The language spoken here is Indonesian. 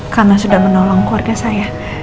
karena sudah menolong keluarga saya